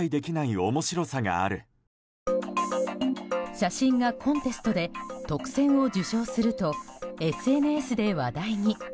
写真がコンテストで特選を受賞するとＳＮＳで話題に。